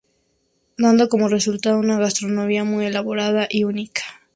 Dando como resultado una gastronomía muy elaborada y única.